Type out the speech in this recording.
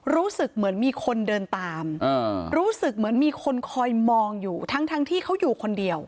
รู้สึกเหมือนมีคนเดินตามรู้สึกเหมือนมีคนคอยมองอยู่ทั้งที่เขาอยู่คนเดียว